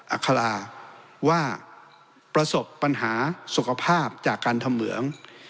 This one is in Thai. อาคาราว่าประสบปัญหาสุขภาพจากการทำเหมือง